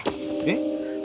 えっ？